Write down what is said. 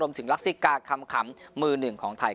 ถึงลักษิกาคำขำมือหนึ่งของไทย